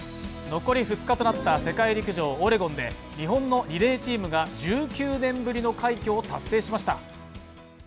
残り２日となった世界陸上オレゴンで日本のリレーチームが１９年ぶりの快挙を達成しました。